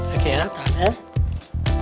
oke ya tahan ya